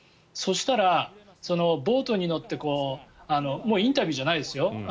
そしたら、ボートに乗ってインタビューじゃないですよ。